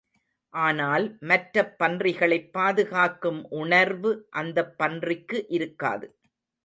ஆனால் மற்றப் பன்றிகளைப் பாதுகாக்கும் உணர்வு அந்தப் பன்றிக்கு இருக்காது.